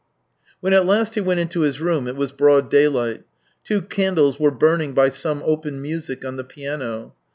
When at last he went into his room it was broad daylight. Two candles were burning by some open music on the piano.